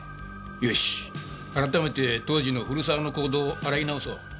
よし改めて当時の古沢の行動を洗い直そう。